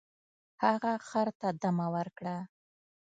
هغه خر ته دمه ورکړه.